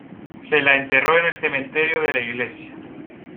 Se la enterró en el cementerio de la iglesia.